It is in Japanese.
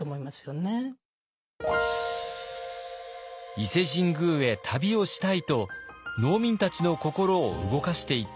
「伊勢神宮へ旅をしたい」と農民たちの心を動かしていった御師たち。